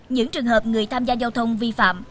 những trường hợp người tham gia giao thông vi phạm